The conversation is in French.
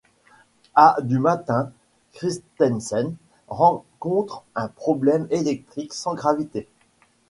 À du matin, Kristensen rencontre un problème électrique sans gravité.